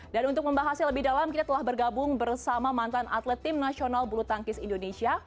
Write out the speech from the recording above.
dan untuk membahasnya lebih dalam kita telah bergabung bersama mantan atlet tim nasional bulu tangkis indonesia